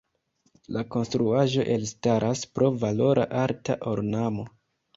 La konstruaĵo elstaras pro valora arta ornamo.